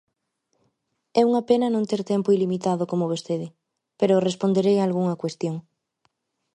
É unha pena non ter tempo ilimitado como vostede, pero responderei a algunha cuestión.